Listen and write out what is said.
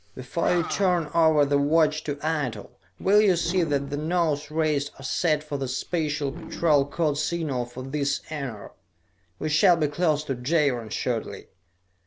Before you turn over the watch to Eitel, will you see that the nose rays are set for the Special Patrol code signal for this enar. We shall be close to Jaron shortly."